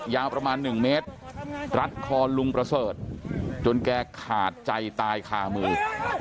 ยาวประมาณ๑เมตรรัดคอลุงประเสริฐจนแกขาดใจตายคามือ